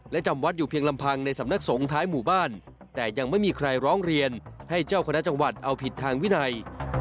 และจำวัดอยู่เพียงลำพังในสำนักสงฆ์ท้ายหมู่บ้านแต่ยังไม่มีใครร้องเรียนให้เจ้าคณะจังหวัดเอาผิดทางวินัย